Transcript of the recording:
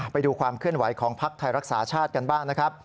ไปดูความเคลื่อนไหวของภักดิ์ไทยรักษาชาติกันบ้างนะครับ